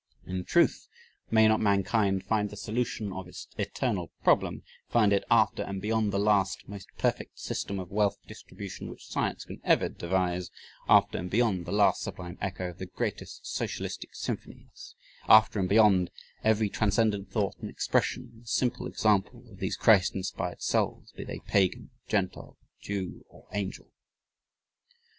In truth, may not mankind find the solution of its eternal problem find it after and beyond the last, most perfect system of wealth distribution which science can ever devise after and beyond the last sublime echo of the greatest socialistic symphonies after and beyond every transcendent thought and expression in the simple example of these Christ inspired souls be they Pagan, Gentile, Jew, or angel.